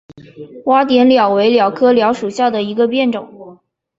洼点蓼为蓼科蓼属下的一个变种。